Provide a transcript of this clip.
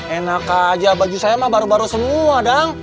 enak aja baju saya mah baru baru semua dong